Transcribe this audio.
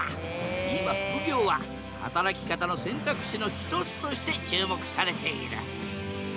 今副業は働き方の選択肢の一つとして注目されている！